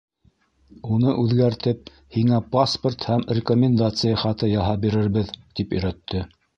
Уны үҙгәртеп, һиңә паспорт һәм рекомендация хаты яһап бирербеҙ, — тип өйрәтте.